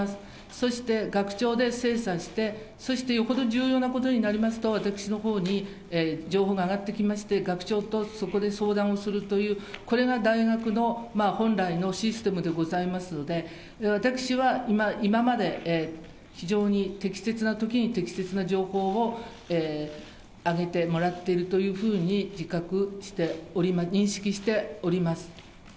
そして学長で精査して、そしてよほど重要なことになりますと、私のほうに情報が上がってきまして、学長とそこで相談をするという、これが大学の本来のシステムでございますので、私は今まで非常に適切なときに適切な情報を上げてもらっているというふうに自覚して、認識しております。